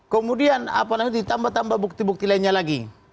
kemudian ditambah tambah bukti bukti lainnya lagi